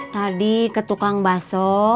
tadi ke tukang baso